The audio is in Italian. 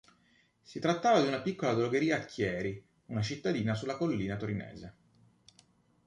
Si trattava di una piccola drogheria a Chieri, una cittadina sulla collina torinese.